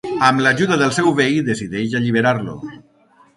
Amb l'ajuda del seu veí, decideix alliberar-lo.